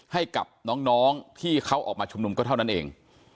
ให้กับน้องที่เขาออกมาชุมนุมก็เท่านั้นเอง